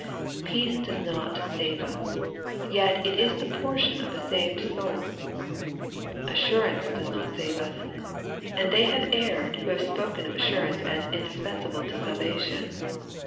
Peace does not save us, yet it is the portion of a saved souL Assurance does not save us ; and they have erred who have spoken of assurance as indispens able to salvation.